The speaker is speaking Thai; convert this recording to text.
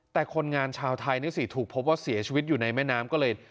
แต่คนงานชาวไทยนี่สิถูกพบว่าเสียชีวิตอยู่ในแม่น้ำก็เลย